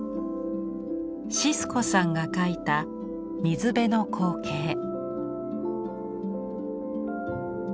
シスコさんが描いた水辺の光景。